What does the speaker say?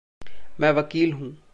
मैं वकील हूँ।